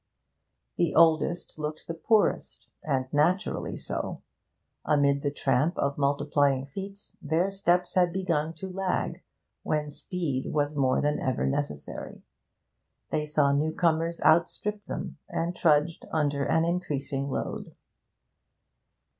The oldest looked the poorest, and naturally so; amid the tramp of multiplying feet, their steps had begun to lag when speed was more than ever necessary; they saw newcomers outstrip them, and trudged under an increasing load.